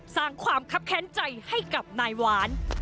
สร้างความคับแค้นใจให้กับนายหวาน